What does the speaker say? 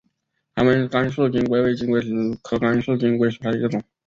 台湾甘蔗金龟为金龟子科甘蔗金龟属下的一个种。